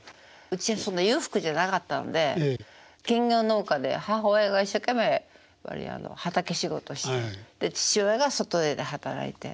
うちはそんな裕福じゃなかったんで兼業農家で母親が一生懸命畑仕事してで父親が外で働いて。